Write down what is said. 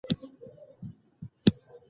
حیات الله د خپل مخ ګونځې لمس کړې.